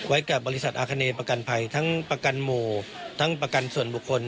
กับบริษัทอาคเนประกันภัยทั้งประกันหมู่ทั้งประกันส่วนบุคคล